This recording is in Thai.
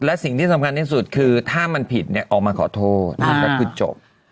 และสิ่งที่สำคัญที่สุดคือถ้ามันผิดเนี่ยออกมาขอโทษก็คือจบ